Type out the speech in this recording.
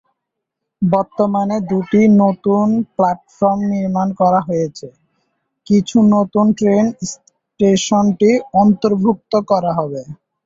বর্তমানে দুটি নতুন প্ল্যাটফর্ম নির্মাণ করা হচ্ছে, কিছু নতুন ট্রেন স্টেশনটি অন্তর্ভুক্ত করা হবে।